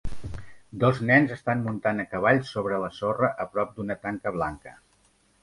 Dos nens estan muntant a cavall sobre la sorra a prop d'una tanca blanca.